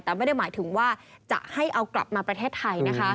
แต่ไม่ได้หมายถึงว่าจะให้เอากลับมาประเทศไทยนะคะ